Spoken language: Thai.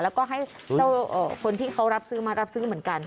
แล้วก็ให้เจ้าคนที่เขารับซื้อมารับซื้อเหมือนกัน